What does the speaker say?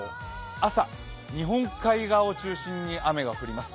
朝、日本海側を中心に雨が降ります。